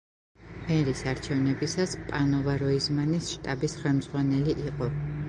მერის არჩევნებისას, პანოვა როიზმანის შტაბის ხელმძღვანელი იყო.